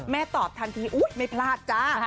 ตอบทันทีอุ๊ยไม่พลาดจ้า